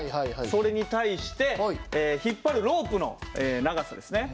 それに対して引っ張るロープの長さですね。